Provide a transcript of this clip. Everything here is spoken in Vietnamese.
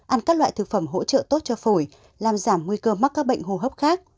ăn các loại thực phẩm hỗ trợ tốt cho phổi làm giảm nguy cơ mắc các bệnh hô hấp khác